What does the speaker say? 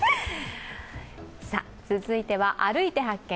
続いては、「歩いて発見！